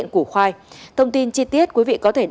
phân pha hai đất vối thôi